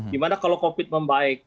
gimana kalau covid membaik